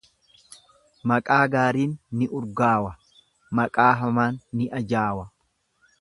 Maqaa gaariin ni urgaawa, maqaa hamaan ni ajaawa.